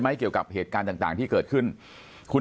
ปากกับภาคภูมิ